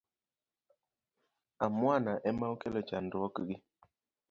Amwana ema okelo chandruok gi.